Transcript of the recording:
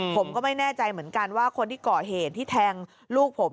ผมก็ไม่แน่ใจเหมือนกันว่าคนที่ก่อเหตุที่แทงลูกผม